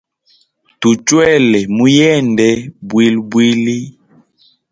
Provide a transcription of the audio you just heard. Tuchwele mu yende bwilibwli.